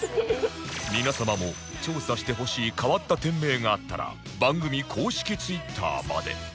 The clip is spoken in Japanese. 皆様も調査してほしい変わった店名があったら番組公式 Ｔｗｉｔｔｅｒ まで